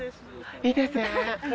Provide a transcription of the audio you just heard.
いいですね。